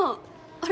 あれ？